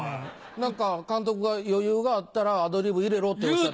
何か監督が余裕があったらアドリブ入れろっておっしゃって。